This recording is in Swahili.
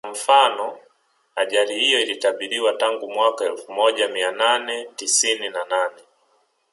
Kwa mfano ajali hiyo ilitabiriwa tangu mwaka elfu moja mia nane tisini na nane